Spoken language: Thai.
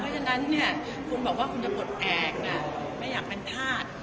ฉะนั้นคุณบอกว่าคุณจะปลดแอบไม่อยากเป็นธาตุ